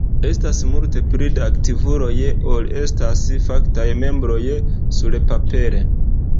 Estas multe pli da aktivuloj ol estas faktaj membroj surpapere.